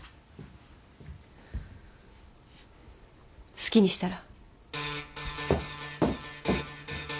好きにしたら？